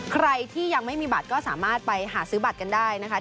ใครที่ยังไม่มีบัตรก็สามารถไปหาซื้อบัตรกันได้นะคะ